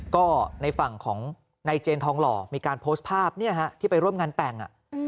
ก็ในฝั่งของนายเจนทองหล่อมีการโพสต์ภาพที่ไปร่วมงานแต่ง